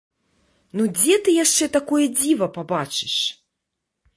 Ну дзе ты яшчэ такое дзіва пабачыш?